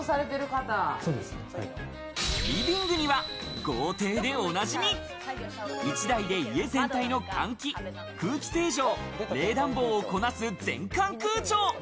リビングには豪邸でおなじみ１台で家全体の換気、空気清浄、冷暖房をこなす全館空調。